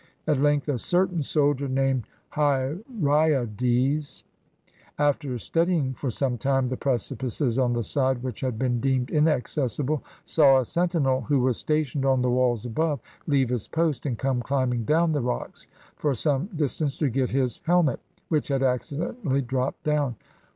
At length a certain soldier, named Hyraeades, after studying for some time the precipices on the side which had been deemed inaccessible, saw a sentinel, who was stationed on the walls above, leave his post and come cHmbing down the rocks for some distance to get his hel met, which had accidentally dropped down.